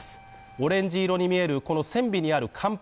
オレンジ色に見えるこの船尾にある甲板